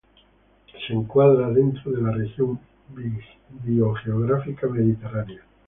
Se encuadra dentro de la región biogeográfica mediterránea.